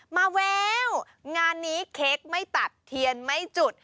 แววงานนี้เค้กไม่ตัดเทียนไม่จุด